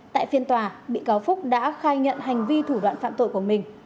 tại phiên tòa bị cáo phúc đã khai nhận hành vi thủ đoạn phạm tội của mình